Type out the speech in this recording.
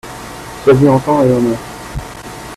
Sois-y en temps et en heure !